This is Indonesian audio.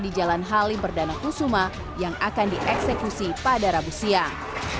di jalan halim perdana kusuma yang akan dieksekusi pada rabu siang